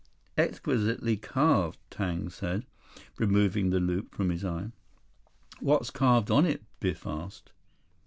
"Exquisitely carved," Tang said, removing the loupe from his eye. "What's carved on it?" Biff asked.